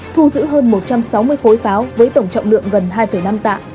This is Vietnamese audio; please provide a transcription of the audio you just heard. thu giữ hơn một trăm sáu mươi khối pháo với tổng trọng lượng gần hai năm tạ